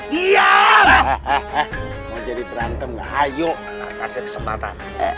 hehehe mau jadi berantem dah ayo kasih kesempatan